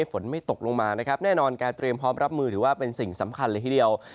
ฝนไม่ตกลงมานะครับแน่นอนการเตรียมพร้อมรับมือถือว่าเป็นสิ่งสำคัญเลยทีเดียว